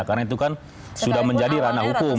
karena itu kan sudah menjadi rana hukum